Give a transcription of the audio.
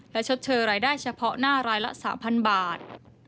และชดเชยรายได้เฉพาะหน้ารายละ๓๐๐บาท